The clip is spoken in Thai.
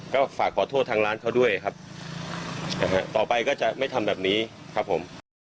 ก็ฝากขอโทษทางร้านเขาด้วยครับนะฮะต่อไปก็จะไม่ทำแบบนี้ครับผม